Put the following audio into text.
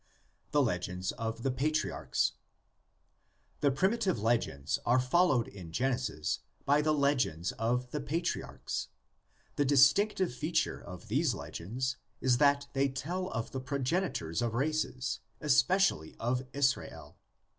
THE LEGENDS OF THE PARTIARCHS. The primitive legends are followed in Genesis by the legends of the patriarchs. The distinctive feature of these legends is that they tell of the pro genitors of races, especially of Israel.